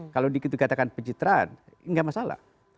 kalau dikatakan pencitraan nggak masalah